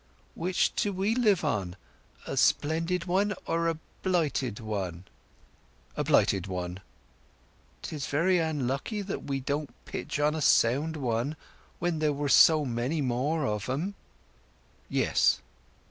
"Which do we live on—a splendid one or a blighted one?" "A blighted one." "'Tis very unlucky that we didn't pitch on a sound one, when there were so many more of 'em!" "Yes."